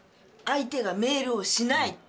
相手がメールをしない。